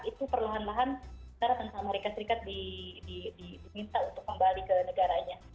itu perlahan lahan secara tentang amerika serikat diminta untuk kembali ke negaranya